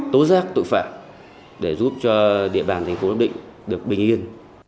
tố giác tội phạm để giúp cho địa bản thành phố lập định được bình yên